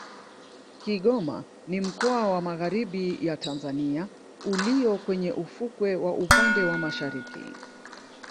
Kigoma ni mkoa wa Magharibi ya Tanzania ulio kwenye ufukwe wa upande wa Mashariki